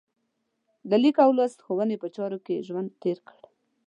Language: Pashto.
د لیک او لوست ښوونې په چارو کې یې ژوند تېر کړ.